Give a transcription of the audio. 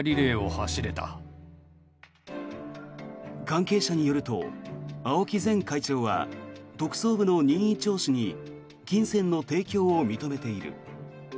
関係者によると青木前会長は特捜部の任意聴取に金銭の提供を認めている。